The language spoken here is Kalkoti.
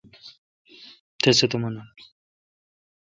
اوں خلق ݭݭ رل اوکاں